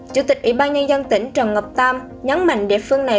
chủ tịch ủy ban nhân dân tỉnh trần ngọc tam nhấn mạnh địa phương này